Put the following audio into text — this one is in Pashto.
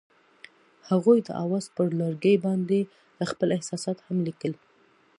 هغوی د اواز پر لرګي باندې خپل احساسات هم لیکل.